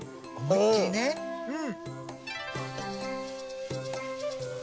うん。